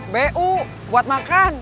bu buat makan